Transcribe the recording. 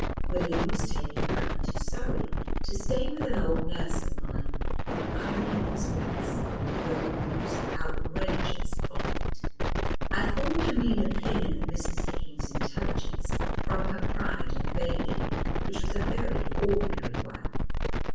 William was taking her into Surrey to stay with an old nurse of mine, and Irene was with us, wearing the most outrageous bonnet. I formed a mean opinion of Mrs. Hicking's intelligence from her pride in the baby, which was a very ordinary one.